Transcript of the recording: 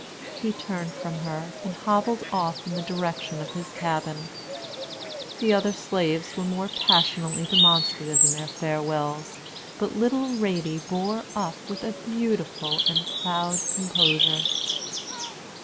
He turned from her and hobbled off in the direction of his cabin. The other slaves were more passionately demonstrative in their farewells; but little Ratie bore up with a beautiful and proud composure.